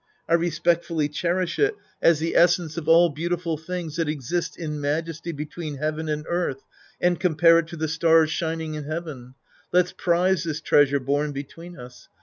I respectfully cherish it as the essence of all beautiful things that existin majesty between heaven and earth and compare it to the stars shining in heaven. Let's prize this treasure born between us.